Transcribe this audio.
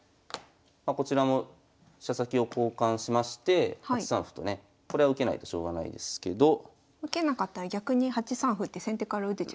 こちらも飛車先を交換しまして８三歩とねこれは受けないとしょうがないですけど。受けなかったら逆に８三歩って先手から打てちゃいますもんね。